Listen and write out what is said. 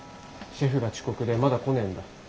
シェフが遅刻でまだ来ねえんだ。